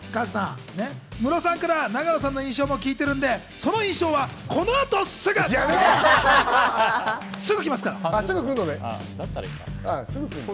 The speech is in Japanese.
加藤さん、ムロさんから永野さんの印象も聞いているのでその印象はこの後すぐ！